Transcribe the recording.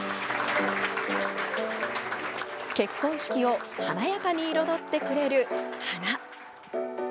結婚式を華やかに彩ってくれる花。